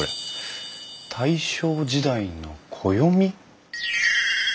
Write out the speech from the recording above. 大正時代の暦？